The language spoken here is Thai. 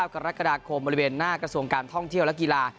กรกฎาคมบริเวณหน้ากระทรวงการท่องเที่ยวและกีฬา